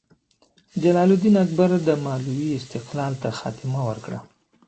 جلال الدین اکبر د مالوې استقلال ته خاتمه ورکړه.